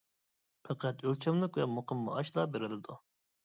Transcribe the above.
پەقەت ئۆلچەملىك ۋە مۇقىم مائاشلا بېرىلىدۇ.